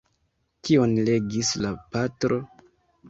Kion legis la patro?